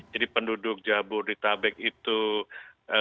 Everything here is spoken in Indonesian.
jadi penduduk jabodetabek itu surveillance nya tinggi